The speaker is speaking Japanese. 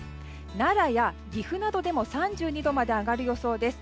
奈良や岐阜などでも３２度まで上がる予想です。